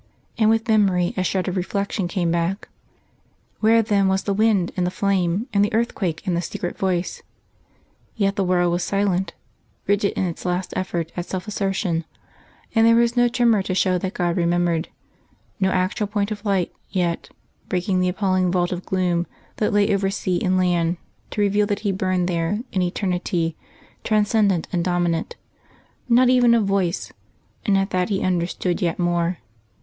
And with memory a shred of reflection came back. Where then was the wind, and the flame, and the earthquake, and the secret voice? Yet the world was silent, rigid in its last effort at self assertion: there was no tremor to show that God remembered; no actual point of light, yet, breaking the appalling vault of gloom that lay over sea and land to reveal that He burned there in eternity, transcendent and dominant; not even a voice; and at that he understood yet more.